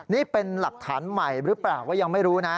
นี่เป็นหลักฐานใหม่หรือเปล่าก็ยังไม่รู้นะ